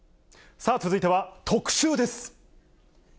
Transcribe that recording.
さあ、続いては特集です。